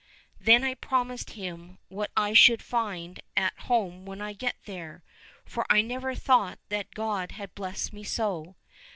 — Then I promised him what I should find at home when I got there, for I never thought that God had blessed me so.